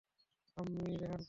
আম্মি, রেহান কোথায়?